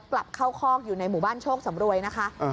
กลับเข้าคอกอยู่ในหมู่บ้านโชคสำรวยนะคะ